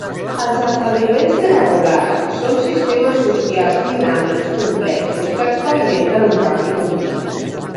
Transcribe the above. Els establiments irregulars són sistemes socials dinàmics complexos que experimenten un canvi continu.